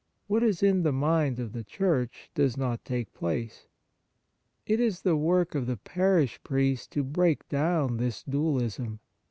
What is in the mind of the Church does not take place. It is the work of the parish priest to break down this dualism.